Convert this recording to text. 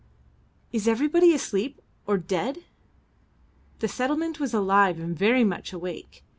"Is everybody asleep or dead?" The settlement was alive and very much awake.